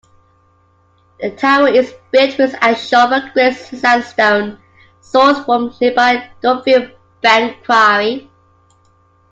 The tower is built with Ashover Grit sandstone, sourced from nearby Duffield Bank quarry.